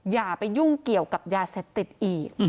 อย่าไปยุ่งเกี่ยวกับยาเสพติดอีก